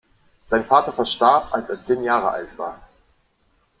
Sein Vater verstarb als er zehn Jahre alt war.